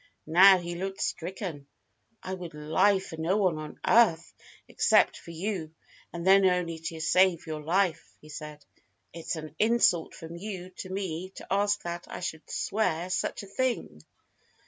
Now he looked stricken. "I would lie for no one on earth, except for you, and then only to save your life," he said. "It's an insult from you to me to ask that I should swear such a thing.